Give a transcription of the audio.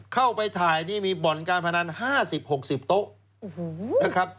เข้าไปถ่ายนี่มีบ่อนการพนัน๕๐๖๐โต๊ะนะครับ